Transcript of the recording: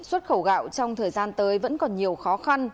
xuất khẩu gạo trong thời gian tới vẫn còn nhiều khó khăn